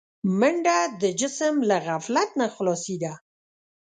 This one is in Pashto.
منډه د جسم له غفلت نه خلاصي ده